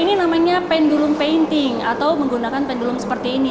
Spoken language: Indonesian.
ini namanya pendulum painting atau menggunakan pendulum seperti ini